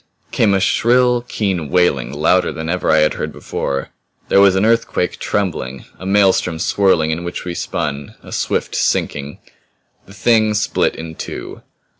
Came a shrill, keen wailing louder than ever I had heard before. There was an earthquake trembling; a maelstrom swirling in which we spun; a swift sinking. The Thing split in two.